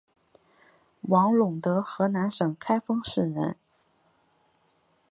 王陇德河南省开封市人。